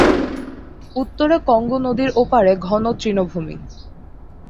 উত্তরে কঙ্গো নদীর ওপারে ঘন তৃণভূমি।